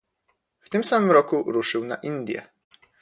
W tym samym roku ruszył na Indie.